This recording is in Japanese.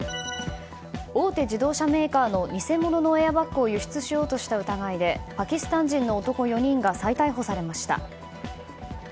大手自動車メーカーの偽物のエアバッグを輸出しようとした疑いでパキスタン人の男４人が再逮捕されました。